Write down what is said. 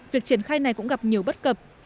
việc triển khai này cũng gặp nhiều bất cập